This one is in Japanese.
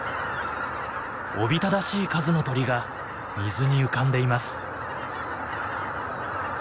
おびただしい数の鳥が水に浮かんでいます。